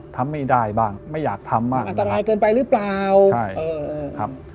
ทำไม่ได้บ้างไม่อยากทำบ้างอัตรายเกินไปหรือเปล่า